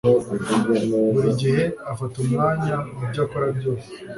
buri gihe afata umwanya mubyo akora byose